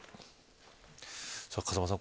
風間さん